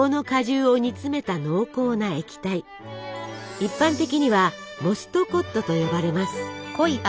一般的には「モストコット」と呼ばれます。